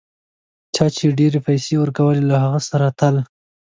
چا چي ډېرې پیسې ورکولې له هغه سره تلل.